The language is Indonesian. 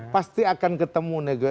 pasti akan ketemu titik temunya